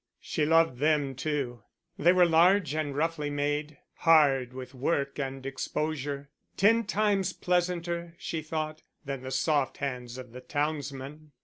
She loved them too. They were large and roughly made, hard with work and exposure, ten times pleasanter, she thought, than the soft hands of the townsman.